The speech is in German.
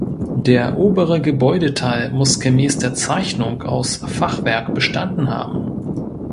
Der obere Gebäudeteil muss gemäß der Zeichnung aus Fachwerk bestanden haben.